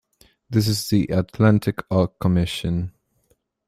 This is the "Atlantic Arc Commission".